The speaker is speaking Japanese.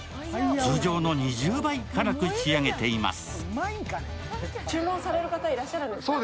通常の２０倍辛く仕上げています。